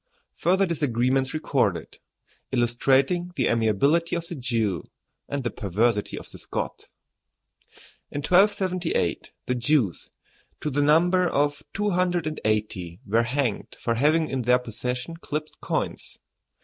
FURTHER DISAGREEMENTS RECORDED: ILLUSTRATING THE AMIABILITY OF THE JEW AND THE PERVERSITY OF THE SCOT. In 1278 the Jews, to the number of two hundred and eighty, were hanged for having in their possession clipped coins.